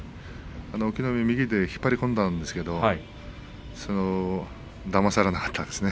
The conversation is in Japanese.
隠岐の海は引っ張り込んだんですけれどだまされなかったですね。